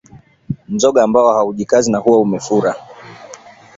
Mzoga ambao haujikazi na huwa umefura